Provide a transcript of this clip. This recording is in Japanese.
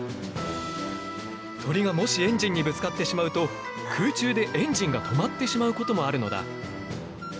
鳥がもしエンジンにぶつかってしまうと空中でエンジンが止まってしまうこともあるのだ。